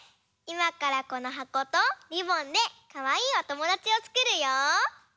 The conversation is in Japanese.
いまからこのはことリボンでかわいいおともだちをつくるよ！